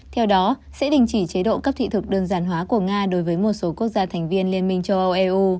theo đó sẽ đình chỉ chế độ cấp thị thực đơn giản hóa của nga đối với một số quốc gia thành viên liên minh châu âu eu